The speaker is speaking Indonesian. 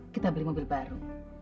kita beli mobil baru